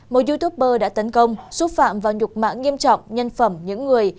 một youtuber đã tấn công xúc phạm vào nhục mạng nghiêm trọng nhân phẩm những người